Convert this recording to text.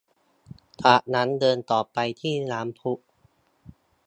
จากนั้นเดินต่อไปที่น้ำพุ